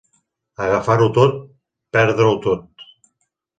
Agafar-ho tot, perdre-ho tot.